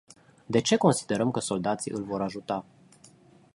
De ce considerăm că soldații îl vor ajuta?